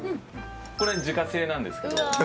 これ、自家製なんですけど。